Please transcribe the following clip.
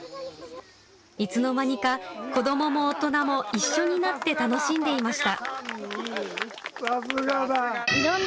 いつの間にか子どもも大人も一緒になって楽しんでいました。